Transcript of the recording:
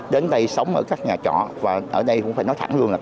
đến đây sống ở các nhà trọ và ở đây cũng phải nói thẳng luôn là